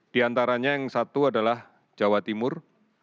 di antaranya yang satu adalah jawa timur